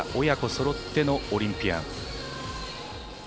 親子そろってのオリンピアン。